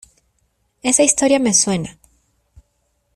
esa historia me suena.